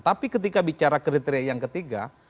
tapi ketika bicara kriteria yang ketiga